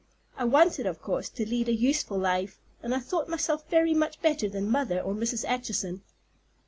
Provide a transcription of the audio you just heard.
I wanted, of course, to lead a useful life, and I thought myself very much better than mother or Mrs. Acheson.